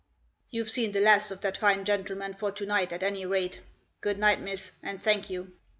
" You've seen the last of that fine gentle man, for to night at any rate. Good night, miss, and thank you."